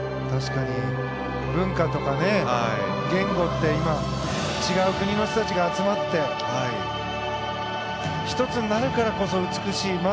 確かに文化とか言語って今、違う国の人たちが集まって１つになるからこそ美しい。